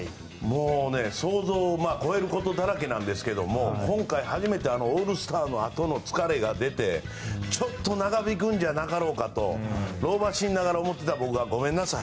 想像を超えることだらけなんですけども今回、初めてオールスターのあとの疲れが出てちょっと長引くんじゃなかろうかと老婆心ながら思ってた僕はごめんなさい。